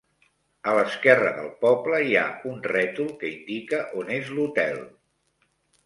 A l'esquerra del poble hi ha un rètol que indica on és l'hotel.